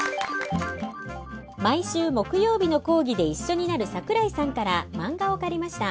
毎週木曜日の講義で一緒になる桜井さんから漫画を借りました。